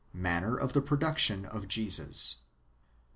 Manner of the production of Jesus.